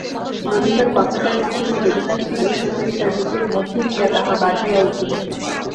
ললিতার কথাটার মধ্যে যে বেদনা ছিল সুচরিতার বুকের মধ্যে গিয়া তাহা বাজিয়া উঠিল।